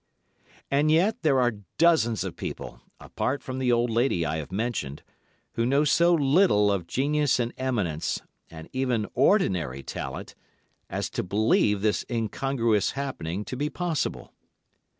And yet there are dozens of people, apart from the old lady I have mentioned, who know so little of genius and eminence, and even ordinary talent, as to believe this incongruous happening to be possible.